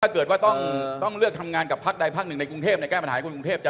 ถ้าเกิดว่าต้องเลือกทำงานกับพักใดพักหนึ่งในกรุงเทพแก้ปัญหาให้คนกรุงเทพจะ